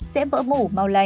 sẽ bỡ mủ mau lành